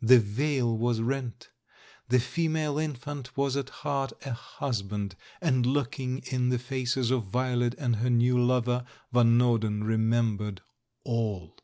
The veil was rent; the female infant was at heart a husband — and look ing in the faces of Violet and her new lover. Van Norden remembered all.